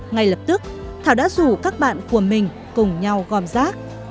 ngay lập tức thảo đã rủ các bạn của mình cùng nhau gom rác